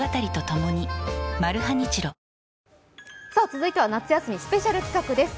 続いては夏休みスペシャル企画です。